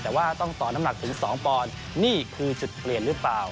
แต่ว่าต้องต่อน้ำหนักถึง๒ปอนด์นี่คือจุดเปลี่ยนหรือเปล่า